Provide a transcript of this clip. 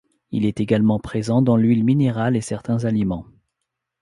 Il est également présent dans l'huile minérale et certains aliments.